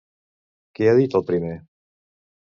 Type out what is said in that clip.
Què ha dit el primer?